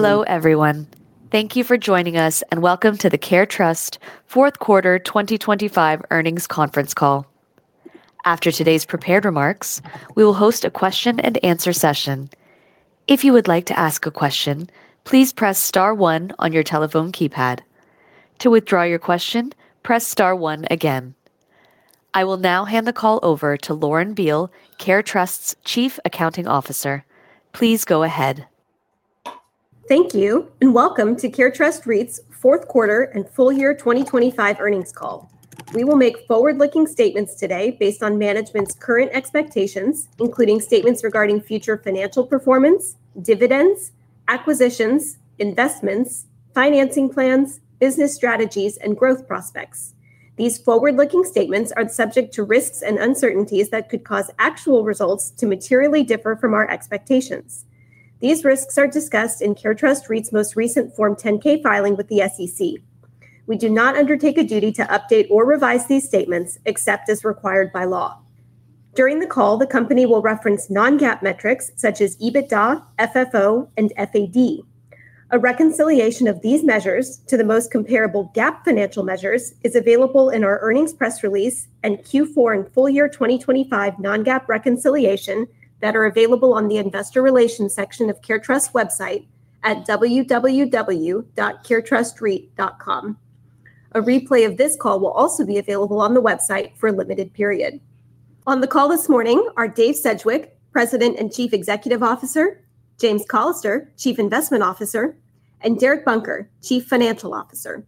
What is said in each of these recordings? Hello, everyone. Thank you for joining us, and welcome to the CareTrust Fourth Quarter 2025 Earnings Conference Call. After today's prepared remarks, we will host a question-and-answer session. If you would like to ask a question, please press star one on your telephone keypad. To withdraw your question, press star one again. I will now hand the call over to Lauren Beale, CareTrust's Chief Accounting Officer. Please go ahead. Thank you, and welcome to CareTrust REIT's Fourth Quarter and Full Year 2025 Earnings Call. We will make forward-looking statements today based on management's current expectations, including statements regarding future financial performance, dividends, acquisitions, investments, financing plans, business strategies, and growth prospects. These forward-looking statements are subject to risks and uncertainties that could cause actual results to materially differ from our expectations. These risks are discussed in CareTrust REIT's most recent Form 10-K filing with the SEC. We do not undertake a duty to update or revise these statements except as required by law. During the call, the company will reference non-GAAP metrics such as EBITDA, FFO, and FAD. A reconciliation of these measures to the most comparable GAAP financial measures is available in our earnings press release and Q4 and full year 2025 non-GAAP reconciliation that are available on the investor relations section of CareTrust website at www.caretrustreit.com. A replay of this call will also be available on the website for a limited period. On the call this morning are Dave Sedgwick, President and Chief Executive Officer; James Callister, Chief Investment Officer; and Derek Bunker, Chief Financial Officer.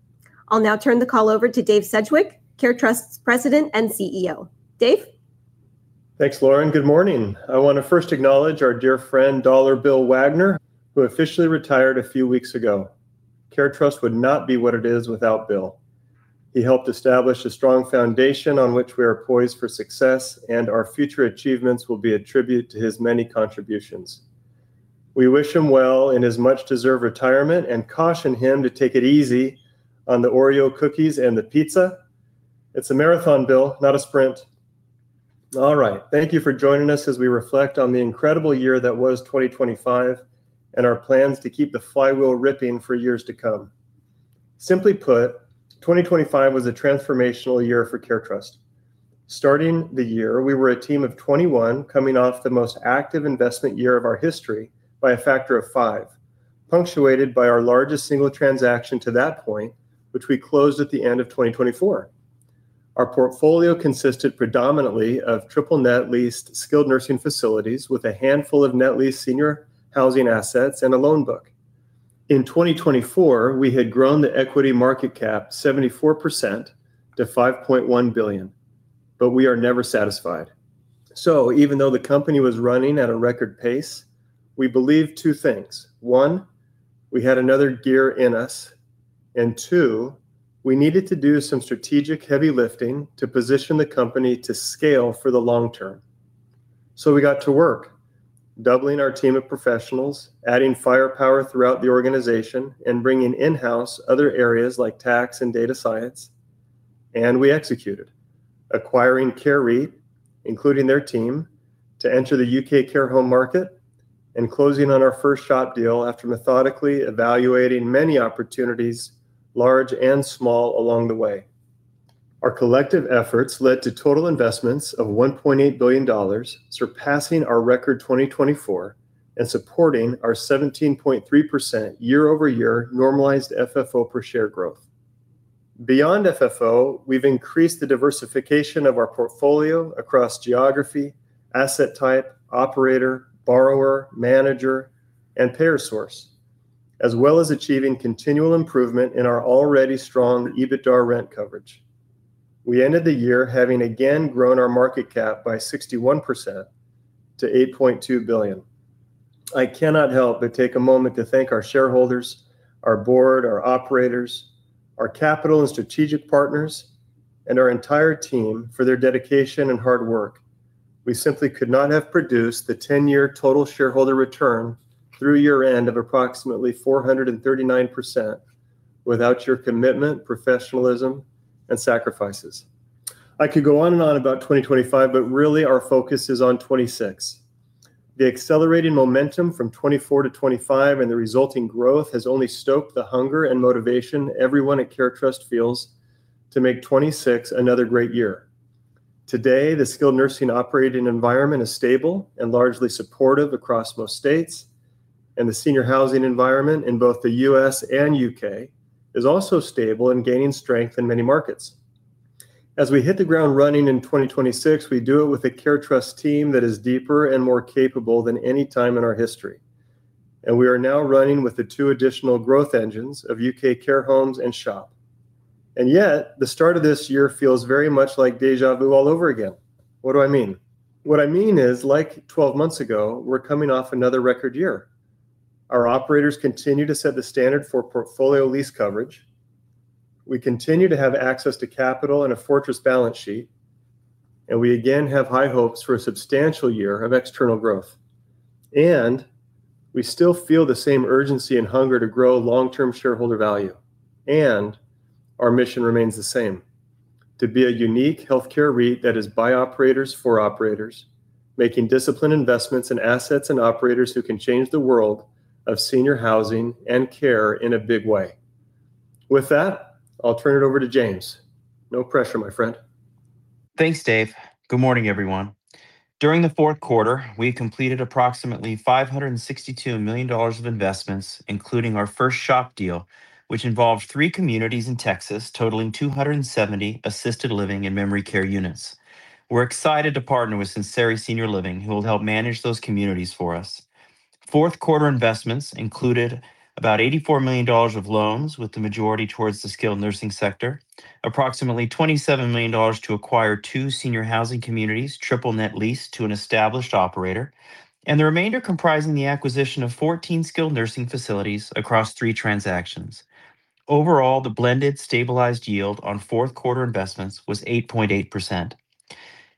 I'll now turn the call over to Dave Sedgwick, CareTrust's President and CEO. Dave? Thanks, Lauren. Good morning. I want to first acknowledge our dear friend, Dollar Bill Wagner, who officially retired a few weeks ago. CareTrust would not be what it is without Bill. He helped establish a strong foundation on which we are poised for success, and our future achievements will be a tribute to his many contributions. We wish him well in his much-deserved retirement and caution him to take it easy on the Oreo cookies and the pizza. It's a marathon, Bill, not a sprint. All right. Thank you for joining us as we reflect on the incredible year that was 2025 and our plans to keep the flywheel ripping for years to come. Simply put, 2025 was a transformational year for CareTrust. Starting the year, we were a team of 21, coming off the most active investment year of our history by a factor of five, punctuated by our largest single transaction to that point, which we closed at the end of 2024. Our portfolio consisted predominantly of triple net leased skilled nursing facilities with a handful of net leased senior housing assets and a loan book. In 2024, we had grown the equity market cap 74% to $5.1 billion, but we are never satisfied. So even though the company was running at a record pace, we believed two things: one, we had another gear in us, and two, we needed to do some strategic heavy lifting to position the company to scale for the long term. So we got to work, doubling our team of professionals, adding firepower throughout the organization, and bringing in-house other areas like tax and data science. We executed, acquiring Care REIT, including their team, to enter the UK Care Home market and closing on our first shop deal after methodically evaluating many opportunities, large and small, along the way. Our collective efforts led to total investments of $1.8 billion, surpassing our record 2024 and supporting our 17.3% year-over-year normalized FFO per share growth. Beyond FFO, we've increased the diversification of our portfolio across geography, asset type, operator, borrower, manager, and payer source, as well as achieving continual improvement in our already strong EBITDA rent coverage. We ended the year having again grown our market cap by 61% to $8.2 billion. I cannot help but take a moment to thank our shareholders, our board, our operators, our capital and strategic partners, and our entire team for their dedication and hard work. We simply could not have produced the ten-year total shareholder return through year-end of approximately 439% without your commitment, professionalism, and sacrifices. I could go on and on about 2025, but really, our focus is on 2026. The accelerating momentum from 2024 to 2025 and the resulting growth has only stoked the hunger and motivation everyone at CareTrust feels to make 2026 another great year. Today, the skilled nursing operating environment is stable and largely supportive across most states, and the senior housing environment in both the U.S. and U.K. is also stable and gaining strength in many markets. As we hit the ground running in 2026, we do it with a CareTrust team that is deeper and more capable than any time in our history, and we are now running with the two additional growth engines of UK Care Homes and SHOP. And yet, the start of this year feels very much like déjà vu all over again. What do I mean? What I mean is, like 12 months ago, we're coming off another record year. Our operators continue to set the standard for portfolio lease coverage. We continue to have access to capital and a fortress balance sheet, and we again have high hopes for a substantial year of external growth. And we still feel the same urgency and hunger to grow long-term shareholder value, and our mission remains the same: To be a unique healthcare REIT that is by operators, for operators, making disciplined investments in assets and operators who can change the world of senior housing and care in a big way. With that, I'll turn it over to James. No pressure, my friend. Thanks, Dave. Good morning, everyone. During the fourth quarter, we completed approximately $562 million of investments, including our first SHOP deal, which involved three communities in Texas, totaling 270 assisted living and memory care units. We're excited to partner with Sinceri Senior Living, who will help manage those communities for us. Fourth quarter investments included about $84 million of loans, with the majority towards the skilled nursing sector, approximately $27 million to acquire two senior housing communities, triple net leased to an established operator, and the remainder comprising the acquisition of 14 skilled nursing facilities across three transactions. Overall, the blended stabilized yield on fourth quarter investments was 8.8%.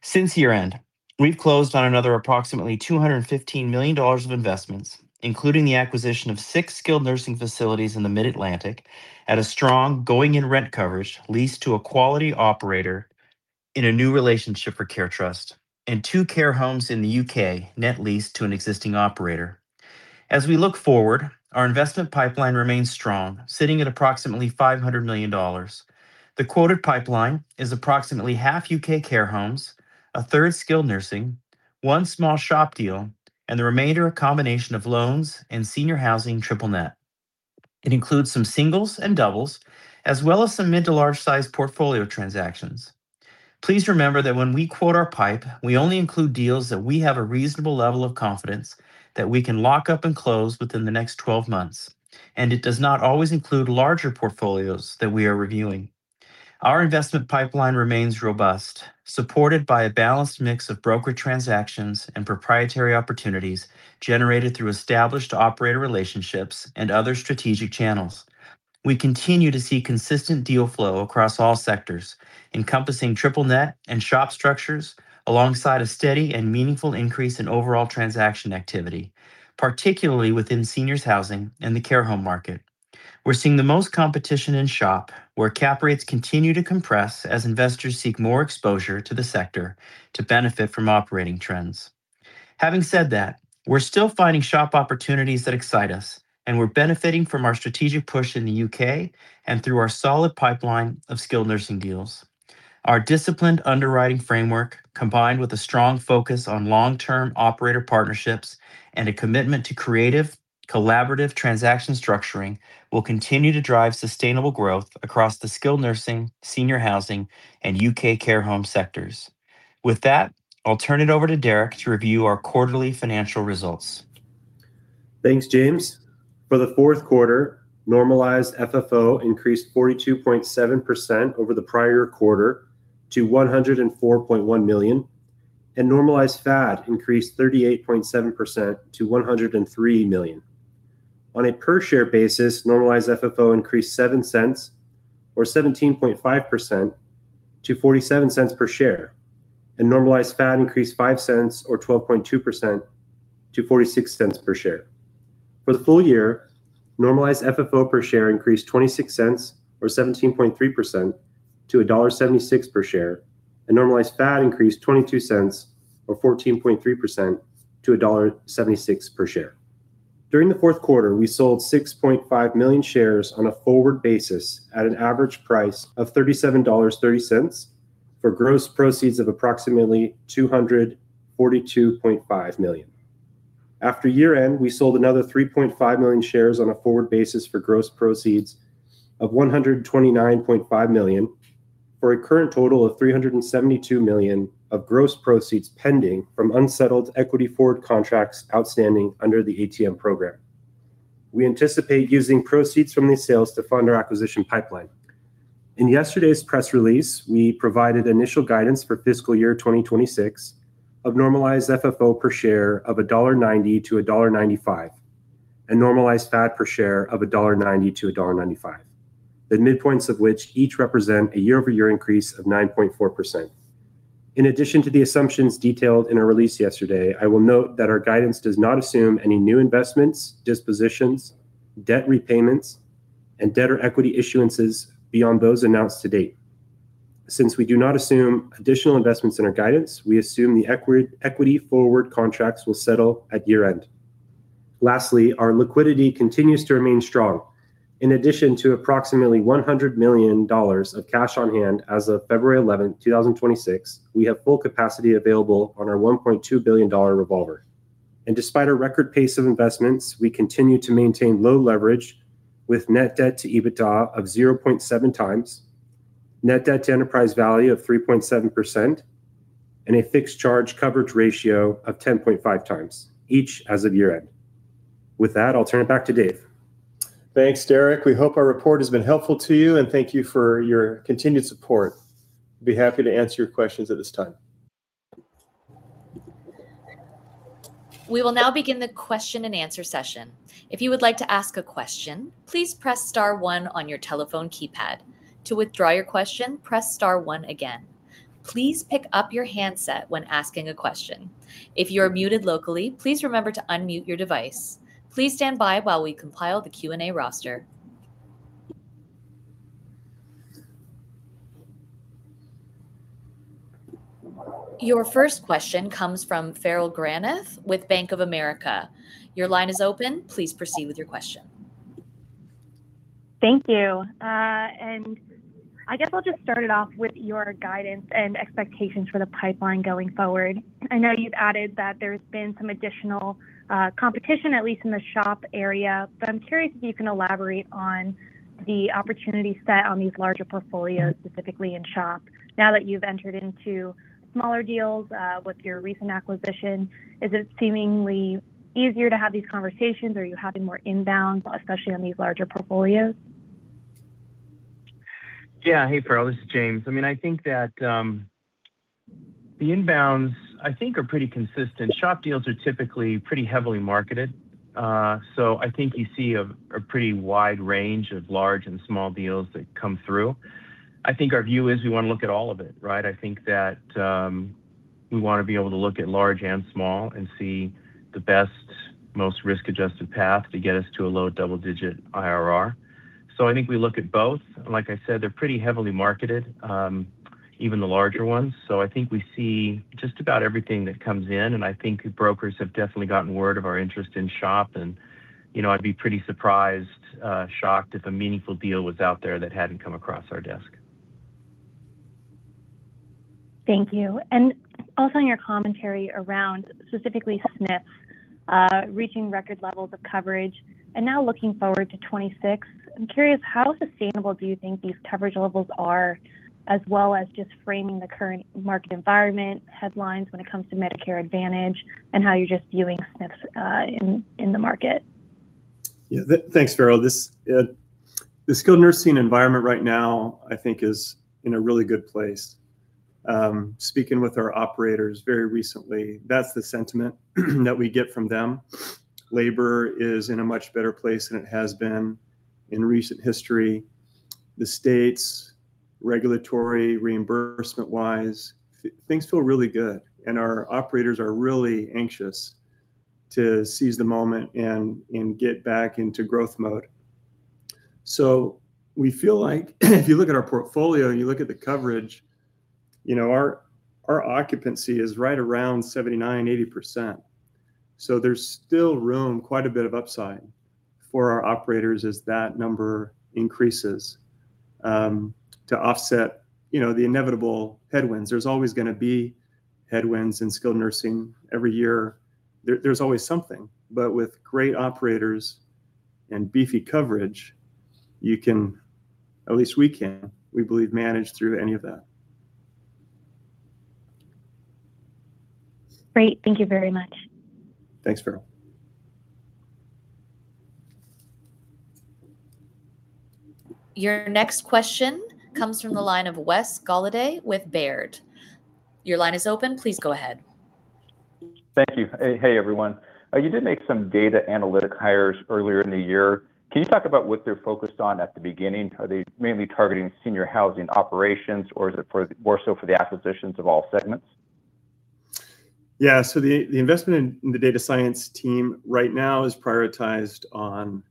Since year-end, we've closed on another approximately $215 million of investments, including the acquisition of 6 skilled nursing facilities in the Mid-Atlantic at a strong going-in rent coverage, leased to a quality operator in a new relationship for CareTrust, and 2 care homes in the UK, net leased to an existing operator. As we look forward, our investment pipeline remains strong, sitting at approximately $500 million. The quoted pipeline is approximately half UK Care Homes, a third skilled nursing, 1 small SHOP deal, and the remainder a combination of loans and senior housing triple net. It includes some singles and doubles, as well as some mid to large-sized portfolio transactions. Please remember that when we quote our pipe, we only include deals that we have a reasonable level of confidence that we can lock up and close within the next 12 months, and it does not always include larger portfolios that we are reviewing. Our investment pipeline remains robust, supported by a balanced mix of broker transactions and proprietary opportunities generated through established operator relationships and other strategic channels. We continue to see consistent deal flow across all sectors, encompassing triple net and SHOP structures, alongside a steady and meaningful increase in overall transaction activity, particularly within seniors housing and the care home market. We're seeing the most competition in SHOP, where cap rates continue to compress as investors seek more exposure to the sector to benefit from operating trends. Having said that, we're still finding SHOP opportunities that excite us, and we're benefiting from our strategic push in the UK and through our solid pipeline of skilled nursing deals. Our disciplined underwriting framework, combined with a strong focus on long-term operator partnerships and a commitment to creative, collaborative transaction structuring, will continue to drive sustainable growth across the skilled nursing, senior housing, and UK Care Home sectors. With that, I'll turn it over to Derek to review our quarterly financial results. Thanks, James. For the fourth quarter, normalized FFO increased 42.7% over the prior quarter to $104.1 million, and normalized FAD increased 38.7% to $103 million. On a per-share basis, normalized FFO increased $0.07, or 17.5% to $0.47 per share, and normalized FAD increased $0.05 or 12.2% to $0.46 per share. For the full year, normalized FFO per share increased $0.26 or 17.3% to $1.76 per share, and normalized FAD increased $0.22 or 14.3% to $1.76 per share. During the fourth quarter, we sold 6.5 million shares on a forward basis at an average price of $37.30, for gross proceeds of approximately $242.5 million. After year-end, we sold another 3.5 million shares on a forward basis for gross proceeds of $129.5 million, for a current total of $372 million of gross proceeds pending from unsettled equity forward contracts outstanding under the ATM program. We anticipate using proceeds from these sales to fund our acquisition pipeline. In yesterday's press release, we provided initial guidance for fiscal year 2026 of normalized FFO per share of $1.90-$1.95, and normalized FAD per share of $1.90-$1.95. The midpoints of which each represent a year-over-year increase of 9.4%. In addition to the assumptions detailed in our release yesterday, I will note that our guidance does not assume any new investments, dispositions, debt repayments, and debt or equity issuances beyond those announced to date. Since we do not assume additional investments in our guidance, we assume the equity, equity forward contracts will settle at year-end. Lastly, our liquidity continues to remain strong. In addition to approximately $100 million of cash on hand as of February 11, 2026, we have full capacity available on our $1.2 billion revolver. Despite our record pace of investments, we continue to maintain low leverage with net debt to EBITDA of 0.7x, net debt to enterprise value of 3.7%, and a fixed charge coverage ratio of 10.5x, each as of year-end. With that, I'll turn it back to Dave. Thanks, Derek. We hope our report has been helpful to you, and thank you for your continued support. We'll be happy to answer your questions at this time. We will now begin the question and answer session. If you would like to ask a question, please press star one on your telephone keypad. To withdraw your question, press star one again. Please pick up your handset when asking a question. If you are muted locally, please remember to unmute your device. Please stand by while we compile the Q&A roster. Your first question comes from Farrell Granath with Bank of America. Your line is open. Please proceed with your question. Thank you. I guess I'll just start it off with your guidance and expectations for the pipeline going forward. I know you've added that there's been some additional, competition, at least in the SHOP area, but I'm curious if you can elaborate on the opportunity set on these larger portfolios, specifically in SHOP. Now that you've entered into smaller deals, with your recent acquisition, is it seemingly easier to have these conversations? Are you having more inbounds, especially on these larger portfolios? Yeah. Hey, Farrell, this is James. I mean, I think that the inbounds, I think are pretty consistent. SHOP deals are typically pretty heavily marketed. So I think you see a pretty wide range of large and small deals that come through. I think our view is we want to look at all of it, right? I think that we want to be able to look at large and small, and see the best, most risk-adjusted path to get us to a low double-digit IRR. So I think we look at both, and like I said, they're pretty heavily marketed, even the larger ones. I think we see just about everything that comes in, and I think brokers have definitely gotten word of our interest in SHOP, and, you know, I'd be pretty surprised, shocked, if a meaningful deal was out there that hadn't come across our desk. Thank you. And also in your commentary around, specifically SNFs, reaching record levels of coverage, and now looking forward to 2026, I'm curious, how sustainable do you think these coverage levels are, as well as just framing the current market environment, headlines when it comes to Medicare Advantage, and how you're just viewing SNFs in the market? Yeah, thanks, Farrell. This, the skilled nursing environment right now, I think, is in a really good place. Speaking with our operators very recently, that's the sentiment that we get from them. Labor is in a much better place than it has been in recent history. The state's regulatory, reimbursement-wise, things feel really good, and our operators are really anxious to seize the moment and get back into growth mode. So we feel like, if you look at our portfolio, and you look at the coverage, you know, our occupancy is right around 79%-80%. So there's still room, quite a bit of upside for our operators as that number increases to offset, you know, the inevitable headwinds. There's always gonna be headwinds in skilled nursing every year. There's always something. But with great operators and beefy coverage, you can, at least we can, we believe, manage through any of that. Great. Thank you very much. Thanks, Farrell. Your next question comes from the line of Wes Golladay with Baird. Your line is open. Please go ahead. Thank you. Hey, hey, everyone. You did make some data analytic hires earlier in the year. Can you talk about what they're focused on at the beginning? Are they mainly targeting senior housing operations, or is it for, more so for the acquisitions of all segments? Yeah, so the investment in the data science team right now is prioritized on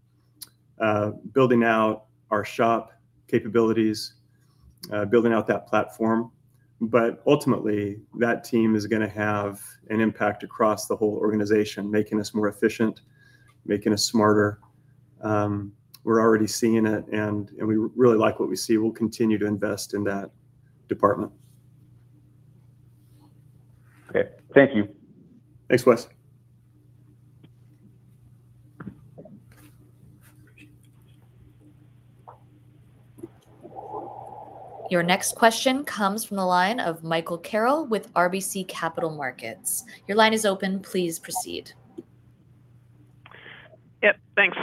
building out our SHOP capabilities, building out that platform. But ultimately, that team is gonna have an impact across the whole organization, making us more efficient, making us smarter. We're already seeing it, and we really like what we see. We'll continue to invest in that department. Okay. Thank you. Thanks, Wes. Your next question comes from the line of Michael Carroll with RBC Capital Markets. Your line is open. Please proceed. Yep, thanks.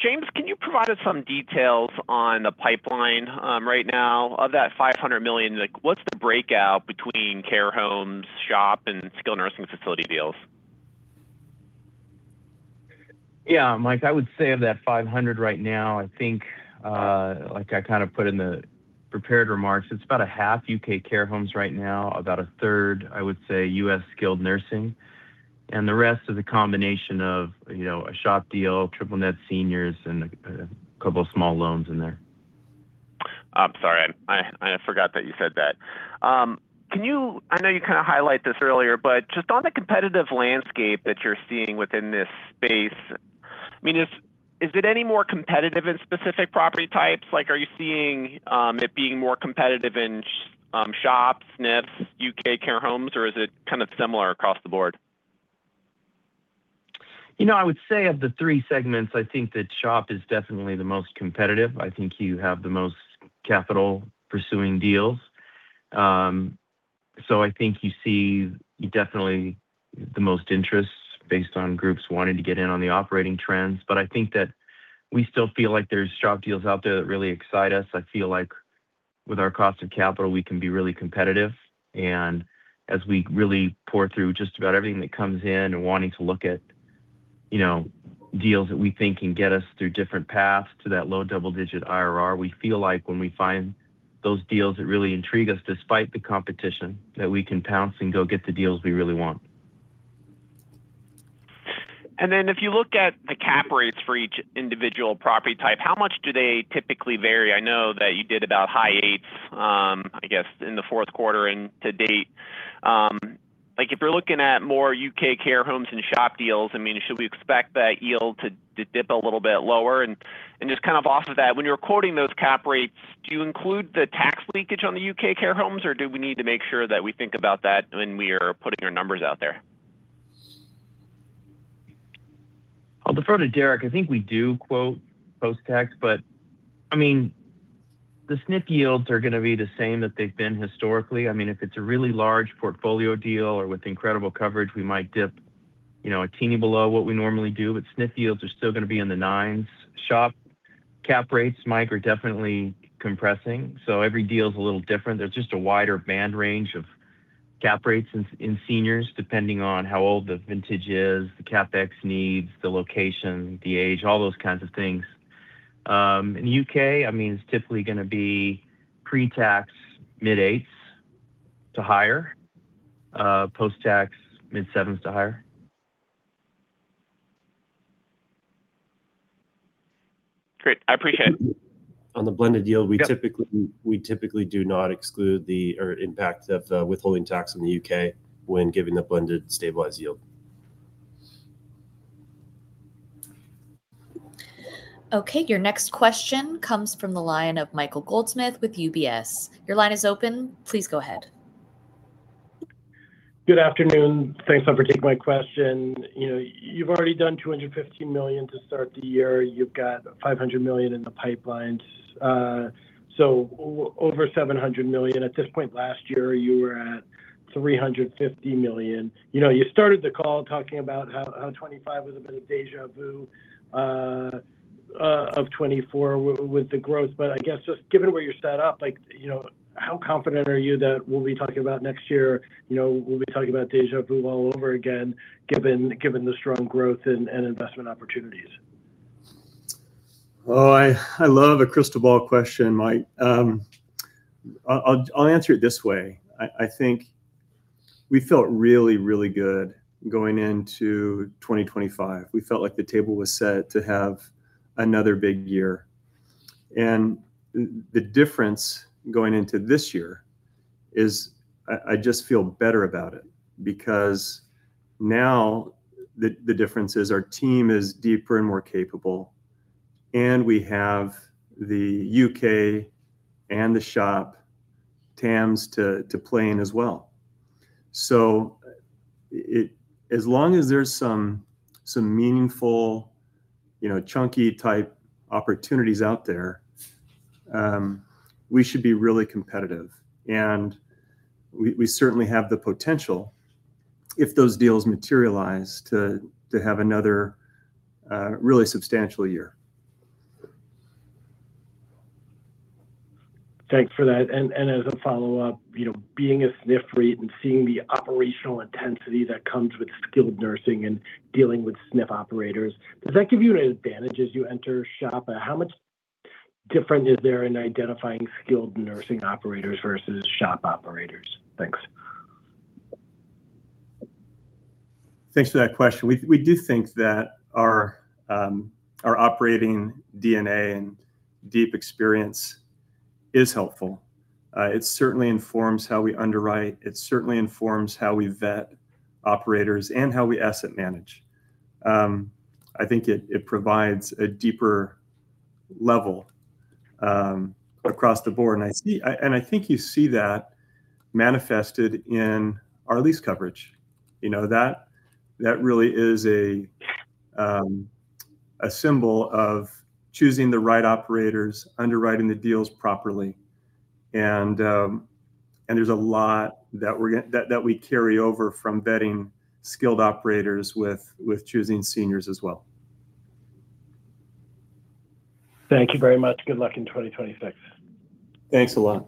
James, can you provide us some details on the pipeline, right now? Of that $500 million, like, what's the breakout between care homes, SHOP, and skilled nursing facility deals? Yeah, Mike, I would say of that $500 million right now, I think, like I kind of put in the prepared remarks, it's about a half UK Care Homes right now, about a third, I would say, US skilled nursing, and the rest is a combination of, you know, a SHOP deal, triple net seniors, and a couple of small loans in there. I'm sorry. I forgot that you said that. Can you... I know you kind of highlight this earlier, but just on the competitive landscape that you're seeing within this space, I mean, is it any more competitive in specific property types? Like, are you seeing it being more competitive in SHOP, SNFs, UK Care Homes, or is it kind of similar across the board? You know, I would say of the three segments, I think that SHOP is definitely the most competitive. I think you have the most capital pursuing deals. So I think you see definitely the most interest based on groups wanting to get in on the operating trends. But I think that we still feel like there's SHOP deals out there that really excite us. I feel like with our cost of capital, we can be really competitive, and as we really pore through just about everything that comes in, you know, deals that we think can get us through different paths to that low double-digit IRR. We feel like when we find those deals that really intrigue us, despite the competition, that we can pounce and go get the deals we really want. Then if you look at the cap rates for each individual property type, how much do they typically vary? I know that you did about high eights, I guess, in the fourth quarter and to date. Like, if you're looking at more U.K. care homes and SHOP deals, I mean, should we expect that yield to dip a little bit lower? And just kind of off of that, when you're quoting those cap rates, do you include the tax leakage on the U.K. care homes, or do we need to make sure that we think about that when we are putting your numbers out there? I'll defer to Derek. I think we do quote post-tax, but I mean, the SNF yields are gonna be the same that they've been historically. I mean, if it's a really large portfolio deal or with incredible coverage, we might dip, you know, a teeny below what we normally do, but SNF yields are still gonna be in the 9s. SHOP cap rates, Mike, are definitely compressing, so every deal's a little different. There's just a wider band range of cap rates in seniors, depending on how old the vintage is, the CapEx needs, the location, the age, all those kinds of things. In the U.K., I mean, it's typically gonna be pre-tax mid-8s to higher, post-tax mid-7s to higher. Great, I appreciate it. On the blended yield, we typically do not exclude the impact of the withholding tax in the UK when giving the blended stabilized yield. Okay, your next question comes from the line of Michael Goldsmith with UBS. Your line is open. Please go ahead. Good afternoon. Thanks for taking my question. You know, you've already done $250 million to start the year. You've got $500 million in the pipeline. So over $700 million. At this point last year, you were at $350 million. You know, you started the call talking about how, how 2025 was a bit of déjà vu, of 2024 with, with the growth. But I guess, just given where you're set up, like, you know, how confident are you that we'll be talking about next year, you know, we'll be talking about déjà vu all over again, given, given the strong growth and, and investment opportunities? Oh, I, I love a crystal ball question, Mike. I'll, I'll answer it this way. I, I think we felt really, really good going into 2025. We felt like the table was set to have another big year. And the difference going into this year is I, I just feel better about it, because now the, the difference is our team is deeper and more capable, and we have the UK and the SHOP TAMs to, to play in as well. So it—as long as there's some, some meaningful, you know, chunky-type opportunities out there, we should be really competitive. And we, we certainly have the potential, if those deals materialize, to, to have another, really substantial year. Thanks for that. And, as a follow-up, you know, being an SNF REIT and seeing the operational intensity that comes with skilled nursing and dealing with SNF operators, does that give you an advantage as you enter SHOP? How much different is there in identifying skilled nursing operators versus SHOP operators? Thanks. Thanks for that question. We, we do think that our, our operating DNA and deep experience is helpful. It certainly informs how we underwrite, it certainly informs how we vet operators, and how we asset manage. I think it, it provides a deeper level, across the board. And I think you see that manifested in our lease coverage. You know, that, that really is a, a symbol of choosing the right operators, underwriting the deals properly. And, and there's a lot that we're, that, that we carry over from vetting skilled operators with, with choosing seniors as well. Thank you very much. Good luck in 2026. Thanks a lot.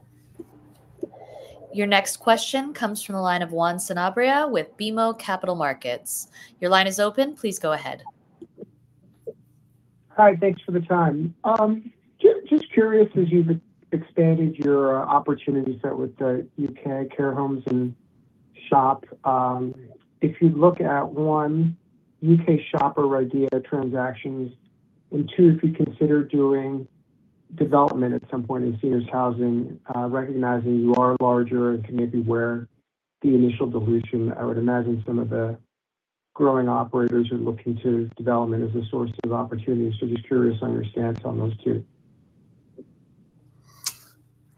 Your next question comes from the line of Juan Sanabria with BMO Capital Markets. Your line is open. Please go ahead. Hi, thanks for the time. Just, just curious, as you've expanded your opportunities with the UK Care Homes and SHOP, if you look at, one, UK SHOP or idea transactions, and two, if you consider doing development at some point in seniors housing, recognizing you are larger and can maybe wear the initial dilution. I would imagine some of the growing operators are looking to development as a source of opportunity, so just curious on your stance on those two.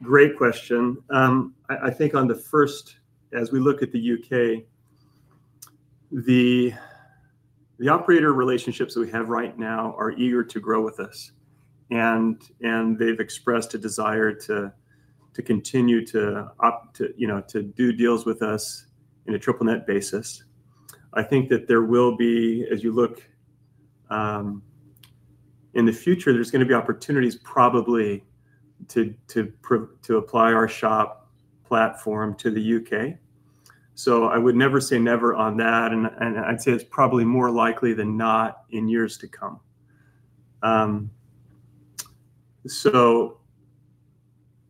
Great question. I think on the first, as we look at the UK, the operator relationships we have right now are eager to grow with us. And they've expressed a desire to continue to, you know, to do deals with us in a triple net basis. I think that there will be, as you look in the future, there's gonna be opportunities probably to apply our shop platform to the UK. So I would never say never on that, and I'd say it's probably more likely than not in years to come. So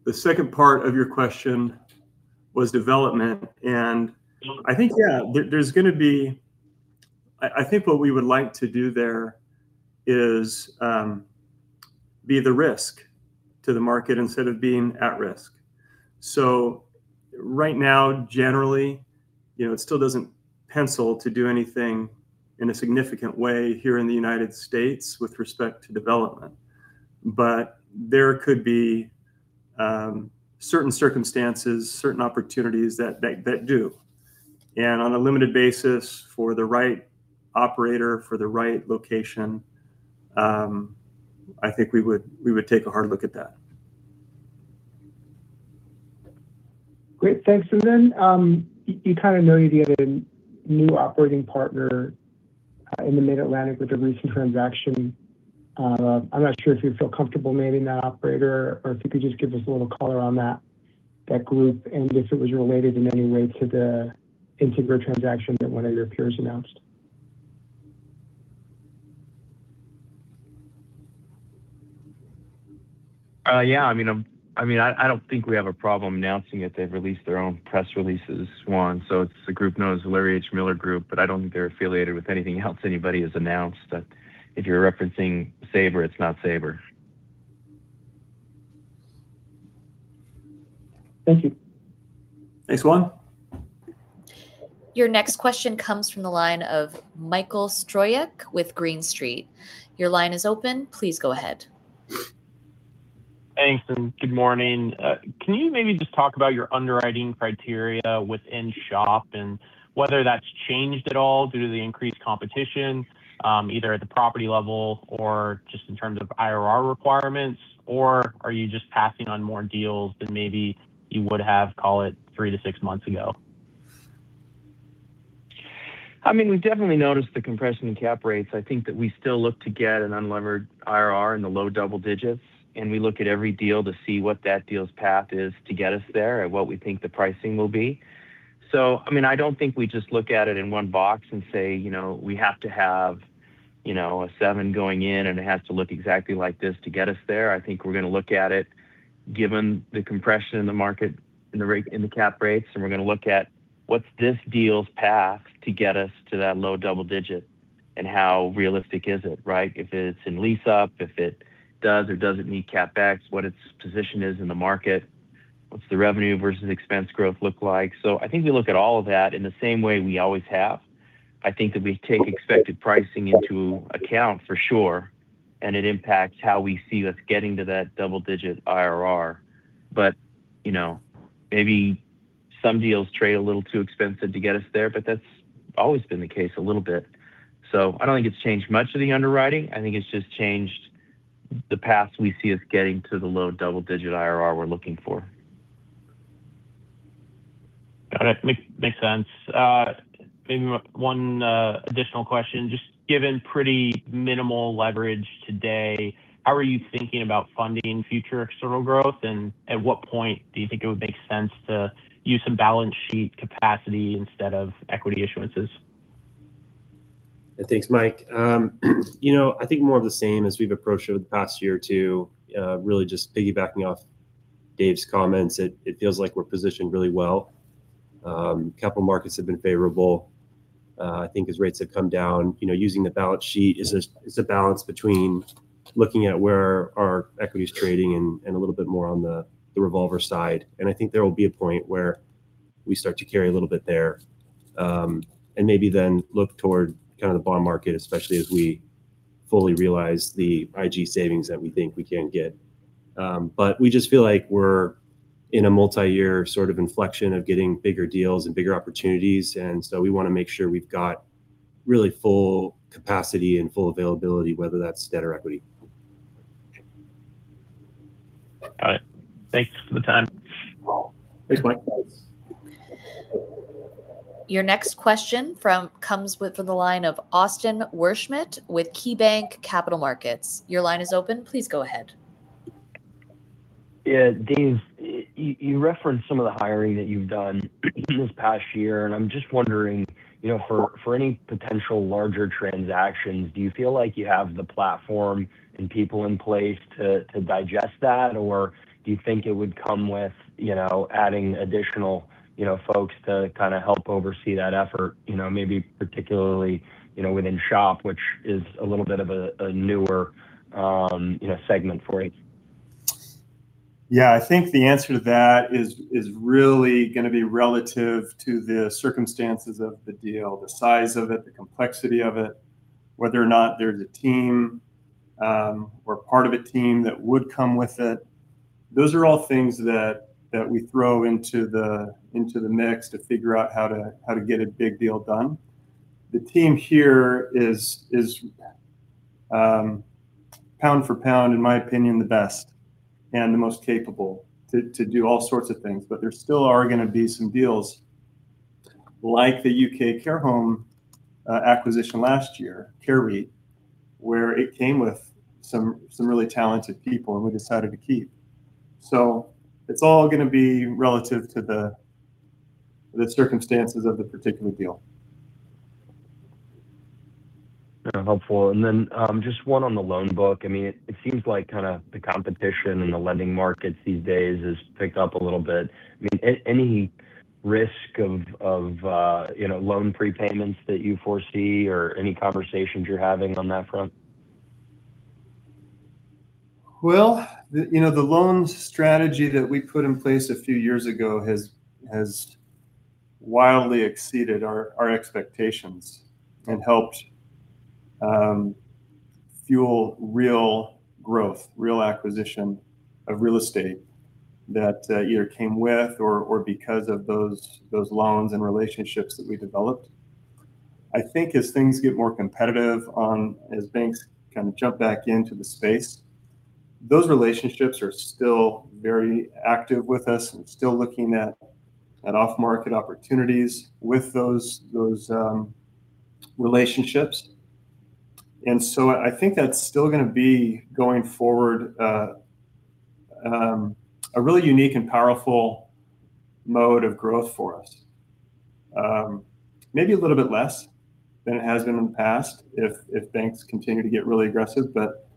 the second part of your question was development, and I think, yeah, there, there's gonna be. I think what we would like to do there is be the risk to the market instead of being at risk. So right now, generally, you know, it still doesn't pencil to do anything in a significant way here in the United States with respect to development. But there could be certain circumstances, certain opportunities that do. And on a limited basis, for the right operator, for the right location, I think we would take a hard look at that. Great. Thanks. You kind of know you get a new operating partner in the Mid-Atlantic with the recent transaction. I'm not sure if you feel comfortable naming that operator or if you could just give us a little color on that group, and if it was related in any way to the Integra transaction that one of your peers announced. Yeah, I mean, I don't think we have a problem announcing it. They've released their own press releases, Juan, so it's the group known as Larry H. Miller Group, but I don't think they're affiliated with anything else anybody has announced. If you're referencing Sabre, it's not Sabre. Thank you. Thanks, Juan. Your next question comes from the line of Michael Stroyeck with Green Street. Your line is open. Please go ahead. Thanks, and good morning. Can you maybe just talk about your underwriting criteria within SHOP, and whether that's changed at all due to the increased competition, either at the property level or just in terms of IRR requirements? Or are you just passing on more deals than maybe you would have, call it, 3-6 months ago? I mean, we've definitely noticed the compression in cap rates. I think that we still look to get an unlevered IRR in the low double digits, and we look at every deal to see what that deal's path is to get us there and what we think the pricing will be. So, I mean, I don't think we just look at it in one box and say, you know, we have to have, you know, a seven going in, and it has to look exactly like this to get us there. I think we're gonna look at it, given the compression in the market and the cap rates, and we're gonna look at what's this deal's path to get us to that low double digit and how realistic is it, right? If it's in lease up, if it does or doesn't meet CapEx, what its position is in the market, what's the revenue versus expense growth look like. So I think we look at all of that in the same way we always have. I think that we take expected pricing into account for sure, and it impacts how we see us getting to that double-digit IRR. But, you know, maybe some deals trade a little too expensive to get us there, but that's always been the case a little bit. So I don't think it's changed much of the underwriting. I think it's just changed the path we see us getting to the low double-digit IRR we're looking for. Got it. Makes sense. Maybe one additional question. Just given pretty minimal leverage today, how are you thinking about funding future external growth, and at what point do you think it would make sense to use some balance sheet capacity instead of equity issuances? Thanks, Mike. You know, I think more of the same as we've approached over the past year or two. Really just piggybacking off Dave's comments, it feels like we're positioned really well. Capital markets have been favorable. I think as rates have come down, you know, using the balance sheet is a balance between looking at where our equity is trading and a little bit more on the revolver side. And I think there will be a point where we start to carry a little bit there, and maybe then look toward kind of the bond market, especially as we fully realize the IG savings that we think we can get. But we just feel like we're in a multi-year sort of inflection of getting bigger deals and bigger opportunities, and so we wanna make sure we've got really full capacity and full availability, whether that's debt or equity. All right. Thanks for the time. Thanks, Mike. Your next question comes from the line of Austin Wurschmidt with KeyBanc Capital Markets. Your line is open. Please go ahead. Yeah, Dave, you referenced some of the hiring that you've done this past year, and I'm just wondering, you know, for any potential larger transactions, do you feel like you have the platform and people in place to digest that? Or do you think it would come with, you know, adding additional folks to kind of help oversee that effort, you know, maybe particularly within SHOP, which is a little bit of a newer segment for you? Yeah, I think the answer to that is really gonna be relative to the circumstances of the deal, the size of it, the complexity of it, whether or not there's a team or part of a team that would come with it. Those are all things that we throw into the mix to figure out how to get a big deal done. The team here is pound for pound, in my opinion, the best and the most capable to do all sorts of things. But there still are gonna be some deals like the UK Care Home acquisition last year, Care REIT, where it came with some really talented people, and we decided to keep. So it's all gonna be relative to the circumstances of the particular deal. Helpful. And then, just one on the loan book. I mean, it seems like kinda the competition in the lending markets these days has picked up a little bit. I mean, any risk of, you know, loan prepayments that you foresee or any conversations you're having on that front? Well, you know, the loans strategy that we put in place a few years ago has wildly exceeded our expectations and helped fuel real growth, real acquisition of real estate that either came with or because of those loans and relationships that we developed. I think as things get more competitive as banks kind of jump back into the space, those relationships are still very active with us and still looking at off-market opportunities with those relationships. And so I think that's still gonna be, going forward, a really unique and powerful mode of growth for us. Maybe a little bit less than it has been in the past if banks continue to get really aggressive, but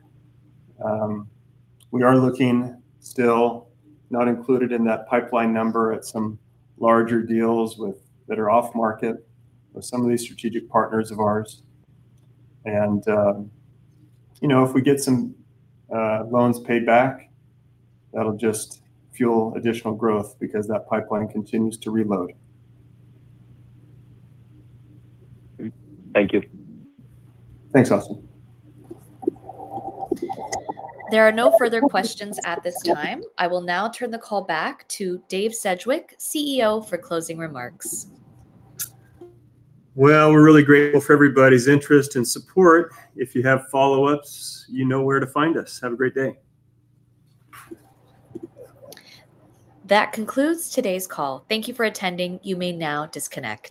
we are looking still, not included in that pipeline number, at some larger deals that are off market with some of these strategic partners of ours. And you know, if we get some loans paid back, that'll just fuel additional growth because that pipeline continues to reload. Thank you. Thanks, Austin. There are no further questions at this time. I will now turn the call back to Dave Sedgwick, CEO, for closing remarks. Well, we're really grateful for everybody's interest and support. If you have follow-ups, you know where to find us. Have a great day. That concludes today's call. Thank you for attending. You may now disconnect.